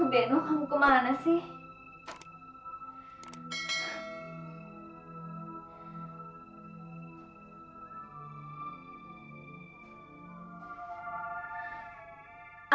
beno kamu kemana sih